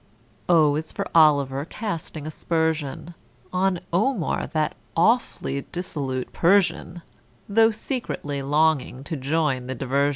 =O= is for =O=liver, casting aspersion On =O=mar, that awfully dissolute Persian, Though secretly longing to join the diversion.